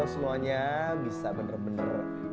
semuanya bisa benar benar